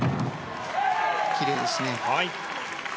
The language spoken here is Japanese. きれいですね。